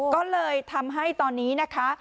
ก็เลยทำให้ตอนนี้นะคะ